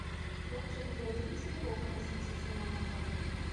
Хлопчык глядзіць, і вока насыціцца не можа.